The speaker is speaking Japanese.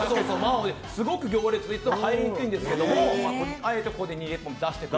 すごく行列でいつも入りにくいんですけどあえてここで２店舗目を出したと。